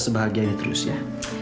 sebahagia ini terus ya